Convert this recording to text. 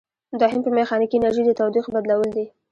دوهم په میخانیکي انرژي د تودوخې بدلول دي.